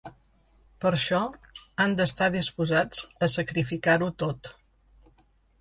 Per això han d’estar disposats a sacrificar-ho tot.